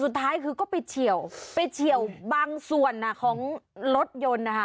สุดท้ายคือก็ไปเฉียวไปเฉียวบางส่วนของรถยนต์นะคะ